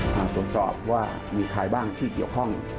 มาตรวจสอบว่ามีใครบ้างที่เกี่ยวข้อง